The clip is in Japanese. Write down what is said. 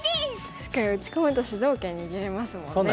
確かに打ち込むと主導権握れますもんね。そうなんですよね。